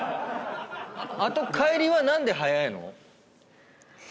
あと帰りは何で早いの？